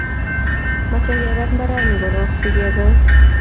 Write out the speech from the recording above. Mache kebat mbaranni korok sigekol